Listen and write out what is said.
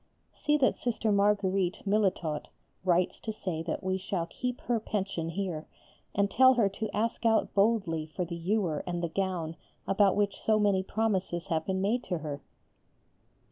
See that Sister Marguerite (Milletot) writes to say that we shall keep her pension here, and tell her to ask out boldly for the ewer and the gown about which so many promises have been made to her.